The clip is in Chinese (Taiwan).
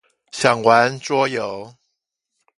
想玩桌遊！